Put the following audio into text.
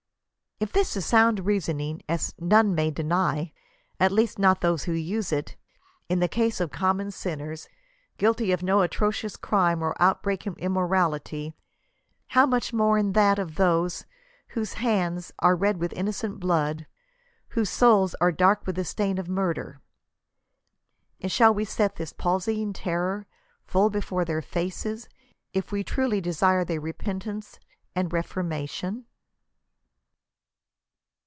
If this is sound reasoning— as none may deny, at least not those who use it — in the case of common sinners, guilty of no atrocious crime or outbreaking immorality, how much more in that of those whose hand» are red with innocent blood, whose souls are dark with the stain of murder ? And shall we set this palsying terror full before their faces, if we truly desire their repentance and reformation